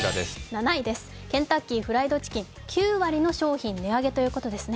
７位です、ケンタッキーフライドチキン、９割の商品値上げということですね